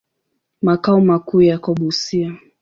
Makao makuu yako Busia.